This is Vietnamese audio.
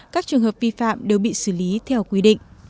các trường hợp vi phạm đều bị xử lý theo quy định